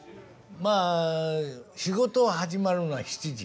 まあ仕事始まるのは７時。